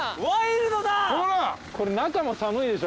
これ中も寒いでしょ。